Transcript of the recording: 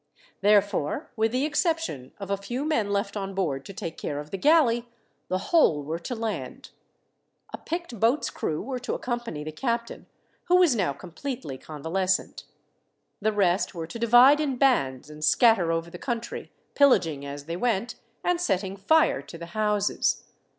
Therefore, with the exception of a few men left on board to take care of the galley, the whole were to land. A picked boat's crew were to accompany the captain, who was now completely convalescent. The rest were to divide in bands and scatter over the country, pillaging as they went, and setting fire to the houses.